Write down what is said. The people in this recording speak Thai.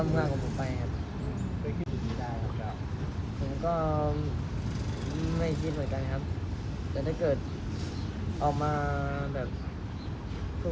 น้องก้าวกลัวไหมฝั่งที่เจนมี่เขาก็มีทานายเหมือนกัน